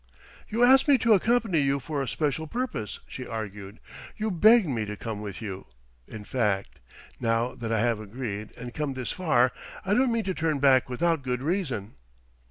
"You asked me to accompany you for a special purpose," she argued; "you begged me to come with you, in fact.... Now that I have agreed and come this far, I don't mean to turn back without good reason."